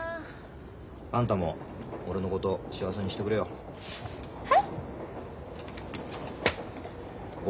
あんたも俺のこと幸せにしてくれよ。へ！？